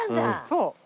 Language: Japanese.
そう。